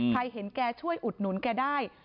ใครเห็นแกช่วยอุดหนุนแกได้